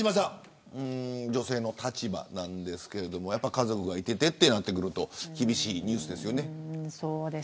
女性の立場なんですけれども家族がいてとなると厳しいニュースですよね。